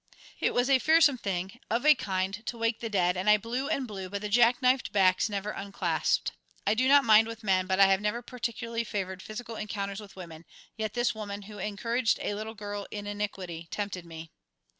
It was a fearsome thing, of a kind to wake the dead, and I blew and blew, but the jack knifed backs never unclasped. I do not mind with men, but I have never particularly favoured physical encounters with women; yet this woman, who encouraged a little girl in iniquity, tempted me.